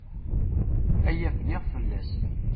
Aya bniɣ fell-as!